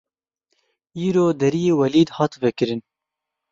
Îro Deriyê Welîd hat vekirin.